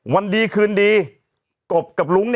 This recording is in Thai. วันดีคืนดีกบกับรุ้ง